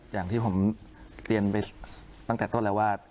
อย่างที่ผมเรียนไปตั้งแต่เมื่อเมื่อ